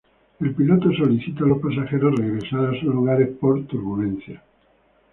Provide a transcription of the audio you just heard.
El piloto solicita a los pasajeros regresar a sus lugares por turbulencia.